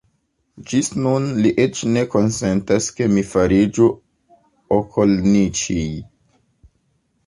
Ĝis nun li eĉ ne konsentas, ke mi fariĝu okolniĉij.